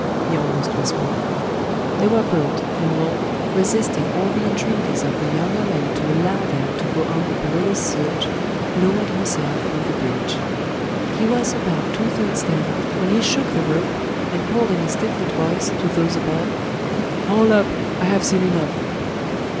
he almost whispered. They were brought, and Wulf, resisting all the entreaties of the younger men to allow them to go on the perilous search, lowered himself through the breach. He was about two thirds down, when he shook the rope, and called in a stifled voice, to those above 'Haul up. I have seen enough.